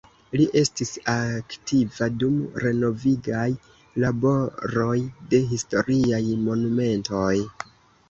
Li estis aktiva dum renovigaj laboroj de historiaj monumentoj.